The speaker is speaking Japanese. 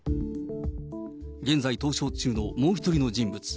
現在逃走中のもう１人の人物。